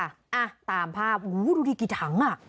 อ้าตามภาพดูดิกี่ถัง